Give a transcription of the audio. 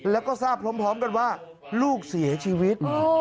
แล้วก็ทราบพร้อมกันว่าลูกเสียชีวิต